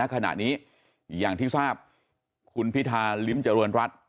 ขณะนี้อย่างที่ทราบคุณพิธาลิ้มเจริญรัฐ